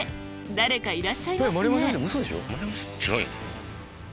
誰かいらっしゃいますね理！